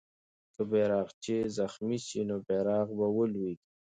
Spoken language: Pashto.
که بیرغچی زخمي سي، نو بیرغ به ولويږي.